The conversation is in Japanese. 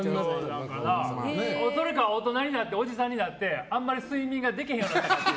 大人になっておじさんになってあんまり睡眠ができへんようになった。